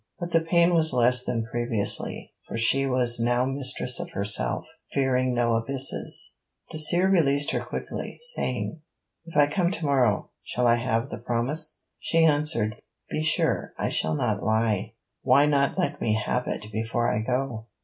But the pain was less than previously, for she was now mistress of herself, fearing no abysses. Dacier released her quickly, saying: 'If I come tomorrow, shall I have the promise?' She answered: 'Be sure I shall not lie.' 'Why not let me have it before I go?'